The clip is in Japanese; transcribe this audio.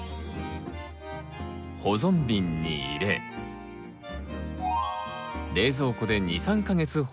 保存瓶に入れ冷蔵庫で２３か月保存できます。